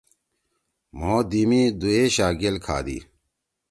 مھو دی می دُوایشا گیل کھادی۔